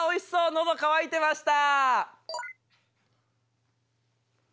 喉渇いてました。